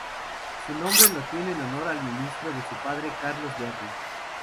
Su nombre lo tiene en honor al ministro de su padre, Carlos Berry.